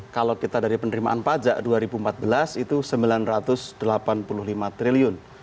kalau kita dari penerimaan pajak dua ribu empat belas itu rp sembilan ratus delapan puluh lima triliun